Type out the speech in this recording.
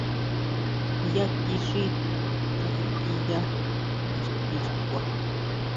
Yá kixí kasikʼiya exti xkua.